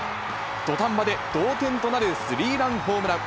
土壇場で同点となるスリーランホームラン。